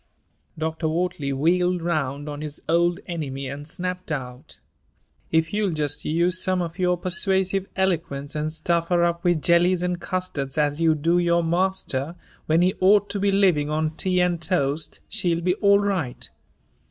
Dr. Wortley wheeled round on his old enemy and snapped out: "If you'll just use some of your persuasive eloquence and stuff her up with jellies and custards as you do your master when he ought to be living on tea and toast, she'll be all right."